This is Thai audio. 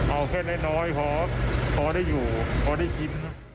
เอาแค่น้อยพอได้อยู่พอได้กิน